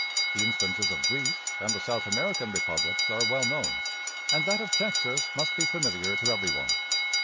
The instances of Greece and the South American republics are well known, and that of Texas must be familiar to every one.